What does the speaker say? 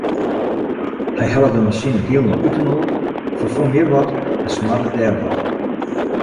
Hy helle de masine hielendal útinoar, ferfong hjir wat en smarde dêr wat.